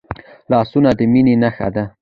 لاسونه د میننې نښه ده